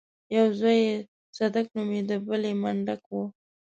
يو زوی يې صدک نومېده بل يې منډک و.